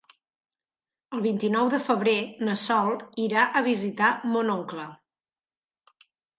El vint-i-nou de febrer na Sol irà a visitar mon oncle.